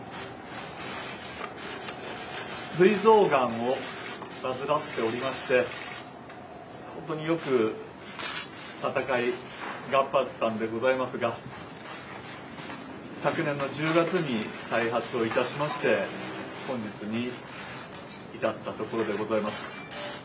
すい臓がんを患っておりまして本当によく闘い頑張ったんでございますが昨年の１０月に再発をいたしまして本日に至ったところでございます。